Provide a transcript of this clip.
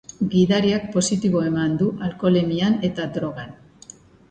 Gidariak positibo eman du alkoholemian eta drogan.